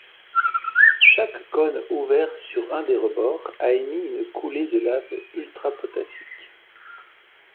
Chaque cône ouvert sur un des rebords a émis une coulée de lave ultrapotassique.